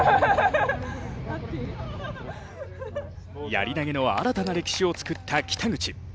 やり投の新たな歴史を作った北口。